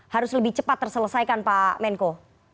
harus lebih cepat terselesaikan pak menko